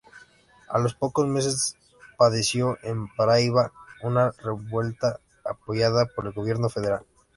A los pocos meses padeció en Paraíba una revuelta, apoyada por el Gobierno Federal.